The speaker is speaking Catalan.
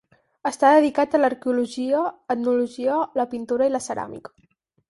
Està dedicat a l'arqueologia, l'etnologia, la pintura i la ceràmica.